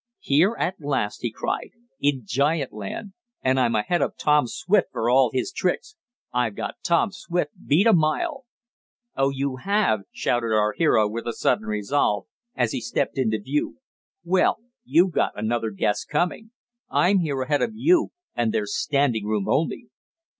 "Here at last!" he cried. "In giant land! And I'm ahead of Tom Swift for all his tricks. I've got Tom Swift beat a mile." "Oh, you have!" shouted our hero with a sudden resolve, as he stepped into view. "Well, you've got another guess coming. I'm here ahead of you, and there's standing room only."